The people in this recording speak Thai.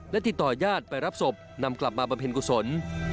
และติดต่อย่าทไปรับศพนำกลับมาประเภนกุศล